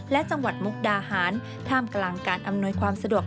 และจังหวัดมกดาหารท่ามกลางการอำนวย